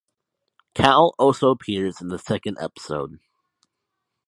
Cal also appears in the second episode.